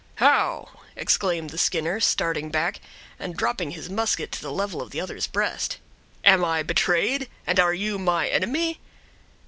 "How!" exclaimed the Skinner, starting back, and dropping his musket to the level of the other's breast; "am I betrayed, and are you my enemy?"